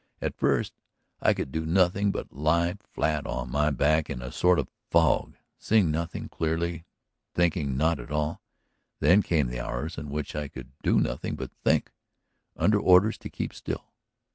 At first I could do nothing but lie flat on my back in a sort of fog, seeing nothing clearly, thinking not at all. Then came the hours in which I could do nothing but think, under orders to keep still.